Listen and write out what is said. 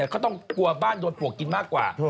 เขาต้องกลัวบ้านโดนปลวกกินมากกว่า